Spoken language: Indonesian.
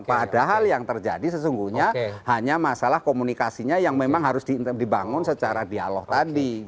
padahal yang terjadi sesungguhnya hanya masalah komunikasinya yang memang harus dibangun secara dialog tadi